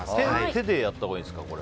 手でやったほうがいいんですか。